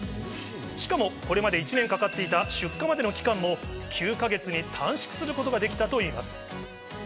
しかも、これまで１年かかっていた出荷の期間も９か月に短縮することができたといいます。